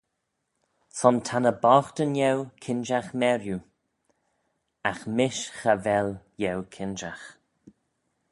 Son ta ny boghtyn eu kinjagh meriu, agh mish cha vel eu kinjagh.